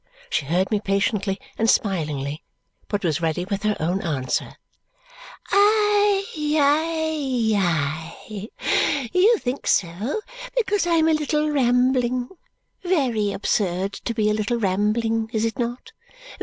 She heard me patiently and smilingly, but was ready with her own answer. "Aye, aye, aye! You think so because I am a little rambling. Ve ry absurd, to be a little rambling, is it not?